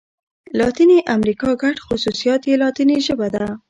لاتیني امريکا ګډ خوصوصیات یې لاتيني ژبه ده.